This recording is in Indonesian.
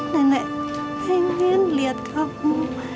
nenek pengen lihat kamu